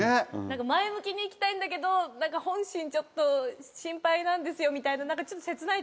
前向きにいきたいんだけど本心ちょっと心配なんですよみたいなちょっと切ないというか。